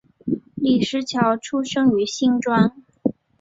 李石樵出生于新庄